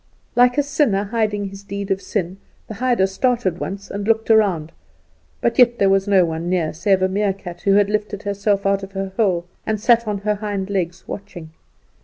Like a sinner hiding his deed of sin, the hider started once and looked round, but yet there was no one near save a meerkat, who had lifted herself out of her hole and sat on her hind legs watching.